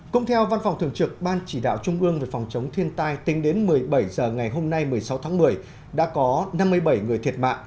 cũng theo văn phòng thường trực ban chỉ đạo trung ương về phòng chống thiên tai tính đến một mươi bảy h ngày hôm nay một mươi sáu tháng một mươi đã có năm mươi bảy người thiệt mạng